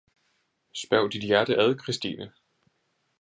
Spørg dit hjerte ad, Christine!